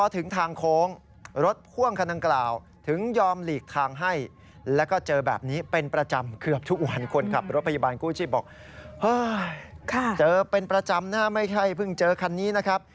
ด้านหน้าไม่ใช่เพิ่งเจอคันนี้นะครับ